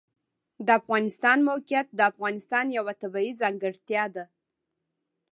د افغانستان د موقعیت د افغانستان یوه طبیعي ځانګړتیا ده.